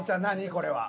これは。